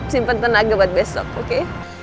simpan tenaga buat besok oke